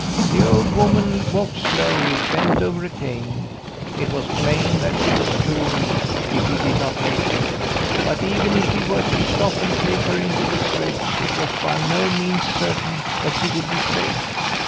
"The old woman walked slowly, bent over a cane. It was plain that she was doomed if he did not help her, but even if he were to stop and take her into the sledge, it was by no means certain that she would be safe.